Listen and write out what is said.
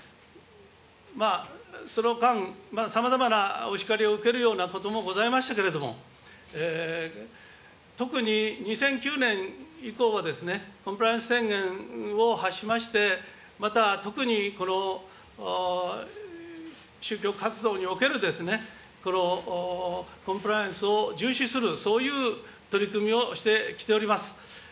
その間、さまざまなお叱りを受けるようなこともございましたけれども、特に２００９年以降はですね、コンプライアンス宣言を発しまして、また特にこの宗教活動における、このコンプライアンスを重視する、そういう取り組みをしてきております。